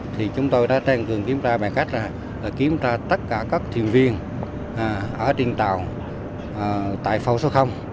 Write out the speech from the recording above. thì chúng tôi đã tăng cường kiểm tra bằng cách kiểm tra tất cả các thuyền viên ở trên tàu tại phao số